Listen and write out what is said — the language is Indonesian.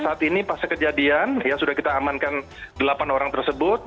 tidak ada korban dan sampai saat ini pas kejadian ya sudah kita amankan delapan orang tersebut